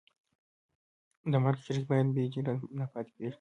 د مرکه شریک باید بې اجره نه پاتې کېږي.